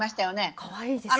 かわいいですね。